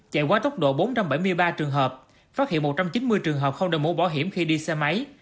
chạy qua tốc độ bốn trăm bảy mươi ba trường hợp phát hiện một trăm chín mươi trường hợp không được mũ bỏ hiểm khi đi xe máy